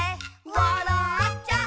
「わらっちゃう」